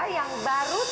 yang baru terjadi